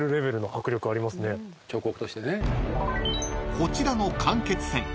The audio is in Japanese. ［こちらの間欠泉